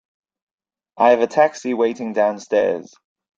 I have a taxi waiting downstairs.